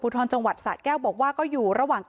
เมื่อนี้มีการติดต่อเข้ามาขอแสดง